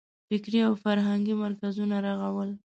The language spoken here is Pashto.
فکري او فرهنګي مرکزونه رغول.